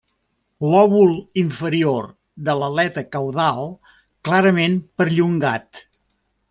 Lòbul inferior de l'aleta caudal clarament perllongat.